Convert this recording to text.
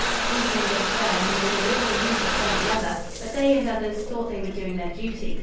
"These men were stern, and made a liberal use of burnt leather; but they and others thought they were doing their duty.